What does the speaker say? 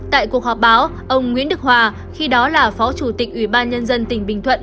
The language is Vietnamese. tại cuộc họp báo ông nguyễn đức hòa khi đó là phó chủ tịch ủy ban nhân dân tỉnh bình thuận